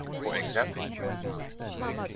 For example: 1.)